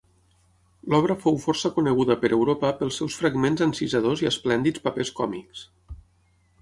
L'obra fou força coneguda per Europa pels seus fragments encisadors i esplèndids papers còmics.